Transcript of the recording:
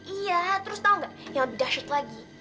iya terus tahu nggak yang lebih dahsyat lagi